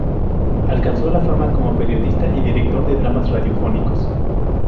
Alcanzó la fama como periodista y director de dramas radiofónicos.